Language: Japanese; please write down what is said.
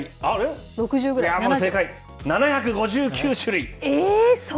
正解、７５９種類。